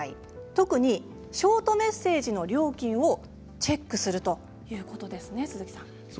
特にショートメッセージの料金をチェックするということですね。